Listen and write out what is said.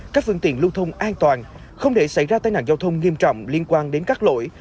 các phương tiện lưu thông an toàn không để xảy ra tai nạn giao thông nghiêm trọng liên quan đến các lỗi